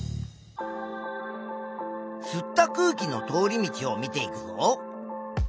吸った空気の通り道を見ていくと。